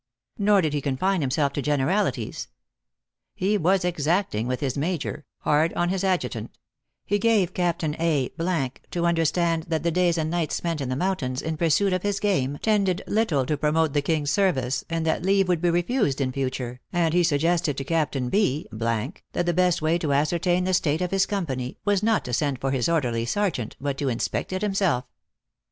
ISTor did he confine himself to generalities. He was exact ing with his major, hard on his adjutant ; he gave Captain A to understand that the days and nights spent in the mountains in pursuit of his game tended little to promote the King s service, and that leave would be refused in future, and he suggested to Captain B that the best way to ascertain the state of his company was not to send for his orderly sergeant, but to inspect it himself.